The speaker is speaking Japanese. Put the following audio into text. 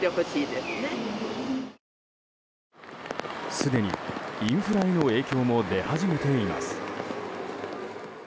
すでにインフラへの影響も出始めています。